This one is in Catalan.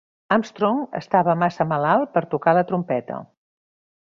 Amstrong estava massa malalt per tocar la trompeta.